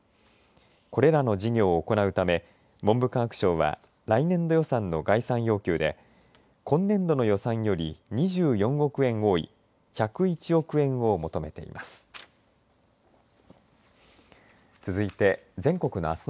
これらの事業を行うため文部科学省は来年度予算の概算要求で今年度の予算より２４億円多い１０１億円を求めています。